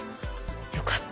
よかった。